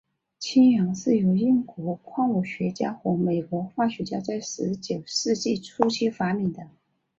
氢氧是由英国矿物学家和美国化学家在十九世纪初期发明的。